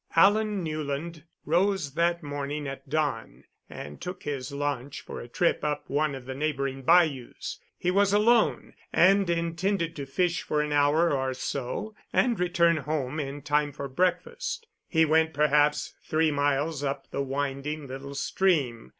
Alan Newland rose that morning at dawn and took his launch for a trip up one of the neighboring bayous. He was alone, and intended to fish for an hour or so and return home in time for breakfast. He went, perhaps, three miles up the winding little stream.